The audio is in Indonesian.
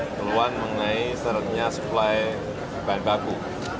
keluar mengenai seretnya suplai bahan baku